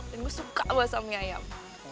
dan gue suka basah mie ayam